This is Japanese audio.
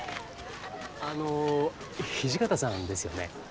あの土方さんですよね？